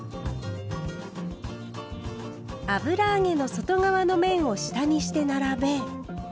油揚げの外側の面を下にして並べ